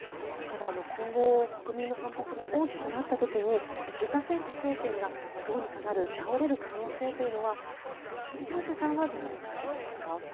今後、国民の反発が大きくなった時にルカシェンコ政権がどうにかなる倒れる可能性というのは廣瀬さんはどのように感じていますか？